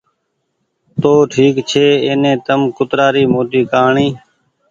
تو ٺيڪ ڇي ايني تم ڪترآ ري موٽي کآڻي